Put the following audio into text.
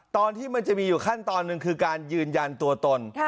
ตอนที่มันจะมีอยู่ขั้นตอนหนึ่งคือการยืนยันตัวตน